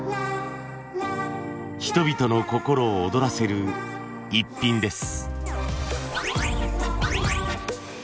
人々の心を躍らせるイッピンです。